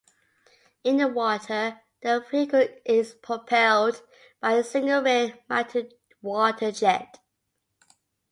In the water the vehicle is propelled by a single rear-mounted water-jet.